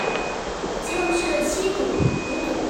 基隆市的七堵、五堵